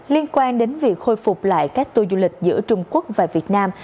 liên quan đến việc khôi phục lại các tour du lịch giữa trung quốc và việt nam